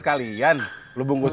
udah jadi ulang kok